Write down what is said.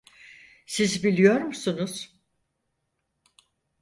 Siz biliyor musunuz?